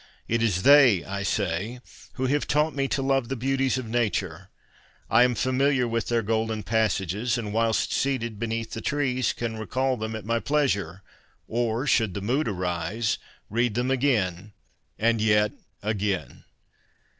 It is they, I say, who have taught me to love the beauties of Nature. I am familiar with their golden passages, and whilst seated beneath the trees can recall them at my pleasure, or, should the mood arise, read them again, and yet again.